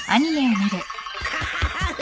ハハハハ。